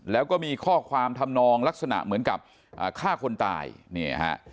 แล้วก็มีข้อความทำนองลักษณะเหมือนกับอ่าฆ่าคนตายเนี่ยฮะ